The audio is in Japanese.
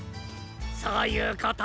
そういうこと。